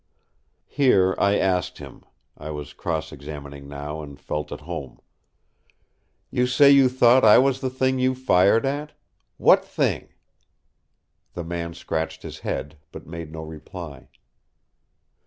Here I asked him—I was cross examining now and felt at home: "You say you thought I was the thing you fired at. What thing?" The man scratched his head, but made no reply.